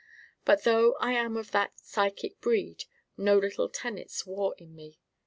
But though I am of that psychic breed no little tenets war in me.